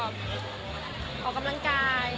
ออกกำลังกาย